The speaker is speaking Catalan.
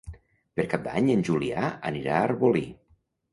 Per Cap d'Any en Julià anirà a Arbolí.